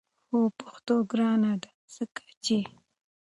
هو پښتو ګرانه ده! ځکه چې